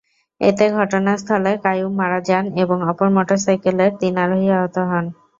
এতে ঘটনাস্থলে কাইয়ুম মারা যান এবং অপর মোটরসাইকেলের তিন আরোহী আহত হন।